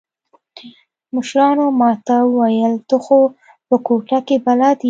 مشرانو ما ته وويل ته خو په کوټه کښې بلد يې.